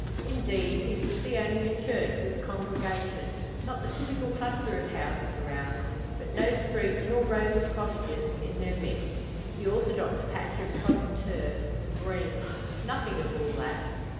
Indeed, he will see only a church with a congregation, not the typical cluster of houses around. But no street, nor rows of cottages, in their midst the orthodox patch of trodden turf the "green." Nothing of all that.